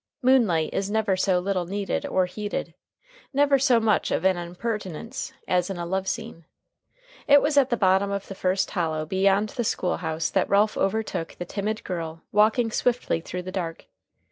Moonlight is never so little needed or heeded, never so much of an impertinence, as in a love scene. It was at the bottom of the first hollow beyond the school house that Ralph overtook the timid girl walking swiftly through the dark.